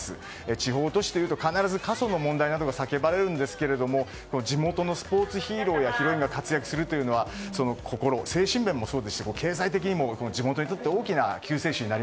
地方都市というと必ず過疎の問題などが叫ばれるんですが地元のスポーツヒーローやヒロインが活躍するというのは精神面もそうですし経済的にも地元にとって大きな救世主です。